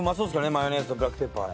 マヨネーズとブラックペッパー。